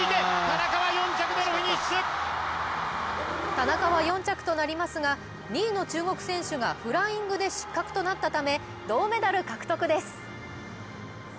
田中は４着となりますが２位の中国選手がフライングで失格となったため、銅メダル獲得です。